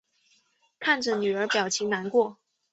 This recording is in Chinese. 看着女儿表情难过